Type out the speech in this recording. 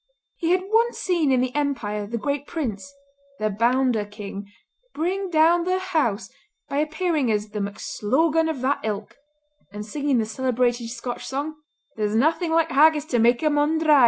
He had once seen in the Empire the Great Prince—"The Bounder King"—bring down the house by appearing as "The MacSlogan of that Ilk," and singing the celebrated Scotch song, "There's naething like haggis to mak a mon dry!"